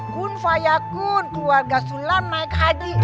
gun faya gun keluarga sulam naik haji